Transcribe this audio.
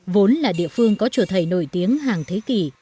vốn là địa phương có chùa thầy nổi tiếng hàng thế kỷ